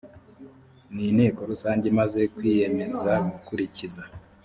n inteko rusange imaze kwiyemeza gukurikiza